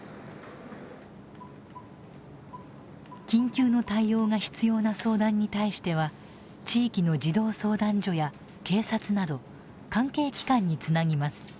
緊急の対応が必要な相談に対しては地域の児童相談所や警察など関係機関につなぎます。